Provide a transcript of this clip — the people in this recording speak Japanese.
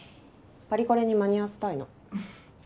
パリコレに間に合わせたいの。